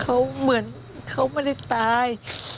เขาเหมือนเขาไม่ได้ตาย